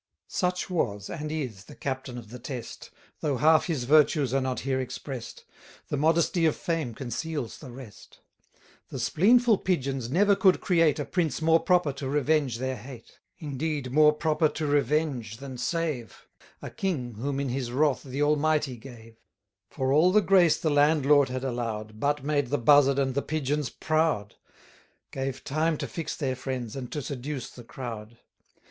Such was, and is, the Captain of the Test, Though half his virtues are not here express'd; The modesty of fame conceals the rest. The spleenful Pigeons never could create A prince more proper to revenge their hate: Indeed, more proper to revenge, than save; A king, whom in his wrath the Almighty gave: For all the grace the landlord had allow'd, 1200 But made the Buzzard and the Pigeons proud; Gave time to fix their friends, and to seduce the crowd.